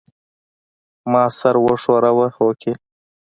ما سر وښوراوه هوکې.